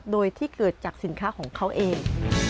โดยที่เกิดจากสินค้าของเขาเอง